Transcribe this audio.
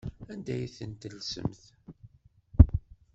Anda ay ten-tellsemt?